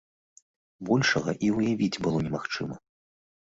Большага і ўявіць было немагчыма.